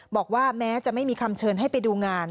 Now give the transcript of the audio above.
บอกว่าแม้จะไม่มีคำเชิญให้ไปดูงาน